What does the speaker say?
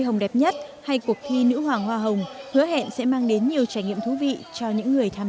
hồng đẹp nhất hay cuộc thi nữ hoàng hoa hồng hứa hẹn sẽ mang đến nhiều trải nghiệm thú vị cho những người tham